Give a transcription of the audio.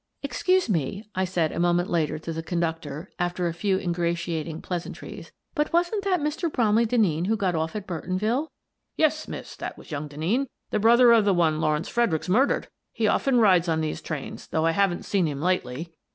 " Excuse me," I said a moment later to the con ductor, after a few ingratiating pleasantries, " but wasn't that Mr. Bromley Denneen who got off at Burtonville?" " Yes, Miss, that was young Denneen, the brother of the one Lawrence Fredericks murdered. He often rides on these trains, though I haven't seen him lately."